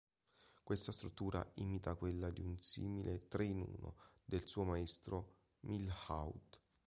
Questa struttura imita quella di un simile tre-in-uno del suo maestro, Milhaud.